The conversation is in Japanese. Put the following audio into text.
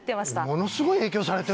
ものすごい影響されて。